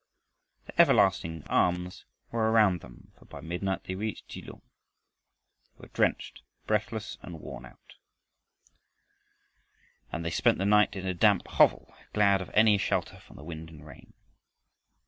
The "everlasting arms" were around them, for by midnight they reached Kelung. They were drenched, breathless, and worn out, and they spent the night in a damp hovel, glad of any shelter from the wind and rain.